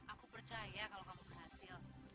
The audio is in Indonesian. aku percaya kalau kamu berhasil